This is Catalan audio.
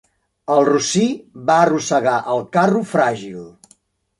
El rossí va arrossegar el carro fràgil.